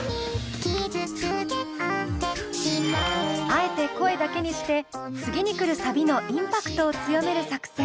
あえて声だけにして次に来るサビのインパクトを強める作戦。